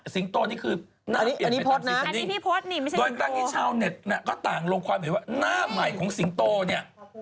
ซิงโตะนี่คือหน้าต่างเปลี่ยนตามซิงโตะเนี่ยโดยแต่ละกินชาวเน็ตก็ต่างลงความเห็นว่าหน้าใหม่ของซิงโตะเนี่ย